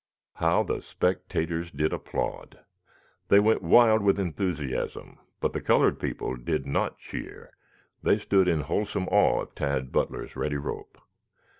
How the spectators did applaud! They went wild with enthusiasm, but the colored people did not cheer; they stood in wholesome awe of Tad Butler's ready rope.